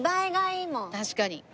確かに。